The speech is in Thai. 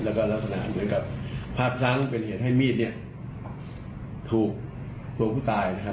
แล้วก็ลักษณะเหมือนกับภาพพลั้งเป็นเหตุให้มีดเนี่ยถูกตัวผู้ตายนะครับ